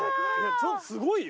ちょっとすごいよ。